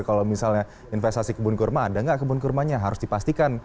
kalau misalnya investasi kebun kurma ada nggak kebun kurmanya harus dipastikan